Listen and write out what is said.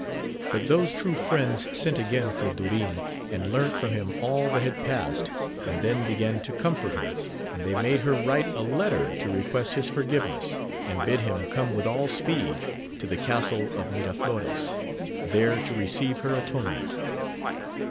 But those true friends sent again for Durin, and learnt from him all that had past, and then began to comfort her, and they made her write a letter to request his forgiveness, and bid him come with all speed to the castle of Miraflores, there to receive her atonement.